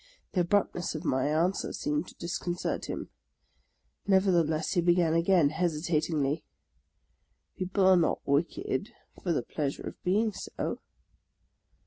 The abruptness of my answer seemed to disconcert him. Nevertheless, he began again, hesitatingly, —" People are not wicked for the pleasure of being so?